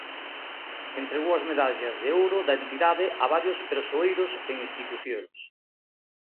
Entregou as Medallas de Ouro da entidade a varios persoeiros e institucións.